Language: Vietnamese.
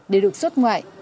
để được xuất ngoại